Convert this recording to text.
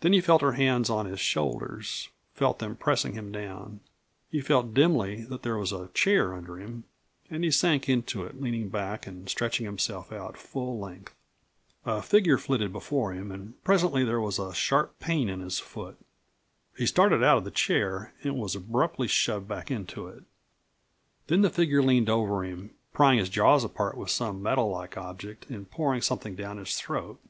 Then he felt her hands on his shoulders, felt them pressing him down. He felt dimly that there was a chair under him, and he sank into it, leaning back and stretching himself out full length. A figure flitted before him and presently there was a sharp pain in his foot. He started out of the chair, and was abruptly shoved back into it, Then the figure leaned over him, prying his jaws apart with some metal like object and pouring something down his throat.